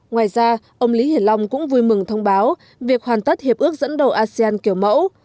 ngoài ra ông lý hiển long cũng vui mừng thông báo việc hoàn tất hiệp ước dẫn đầu asean kiểu mẫu